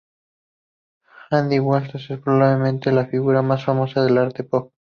Andy Warhol es probablemente la figura más famosa del arte pop.